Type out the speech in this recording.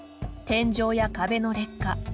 天井や壁の劣化。